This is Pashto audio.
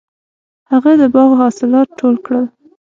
هغه د باغ حاصلات ټول کړل.